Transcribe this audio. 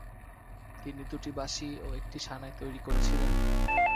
তিনি দুটি বাঁশি ও একটি সানাই তৈরি করেছিলেন।